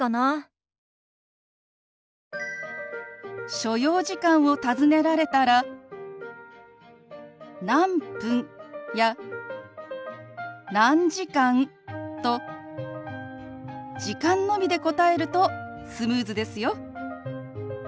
所要時間を尋ねられたら「何分」や「何時間」と時間のみで答えるとスムーズですよ。